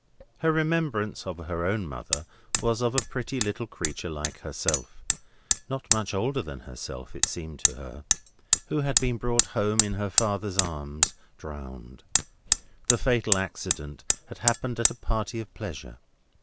Her remembrance of her own mother was of a pretty little creature like herself (not much older than herself it seemed to her), who had been brought home in her father's arms, drowned. The fatal accident had happened at a party of pleasure.